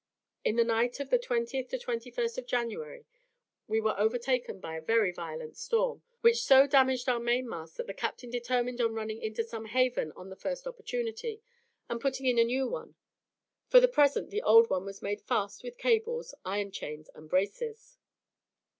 In the night of the 20th to 21st of January we were overtaken by a very violent storm, which so damaged our mainmast that the captain determined on running into some haven on the first opportunity, and putting in a new one. For the present the old one was made fast with cables, iron chains, and braces.